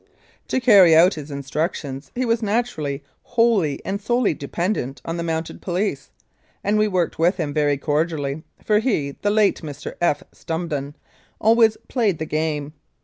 To carry out his instructions he was naturally wholly and solely depen dent on the Mounted Police, and we worked with him very cordially, for he, the late Mr. F. Stumden, always "played the game."